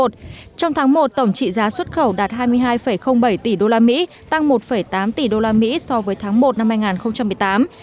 trong tháng một tổng trị giá xuất khẩu đạt hai mươi hai bảy tỷ đô la mỹ tăng một tám tỷ đô la mỹ so với tháng một năm hai nghìn một mươi tám